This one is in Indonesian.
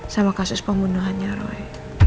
sama kasus pembunuhannya roy